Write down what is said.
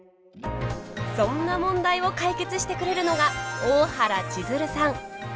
そんな問題を解決してくれるのが大原千鶴さん。